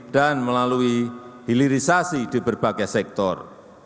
dan melalui hilirisasi di berbagai sektor